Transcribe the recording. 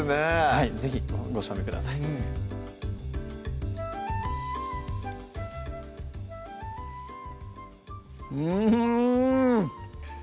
はい是非ご賞味くださいうん！